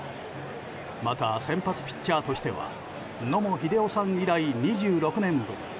また、先発ピッチャーとしては野茂英雄さん以来２６年ぶり。